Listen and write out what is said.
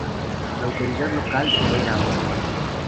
La autoridad local. Ya era hora.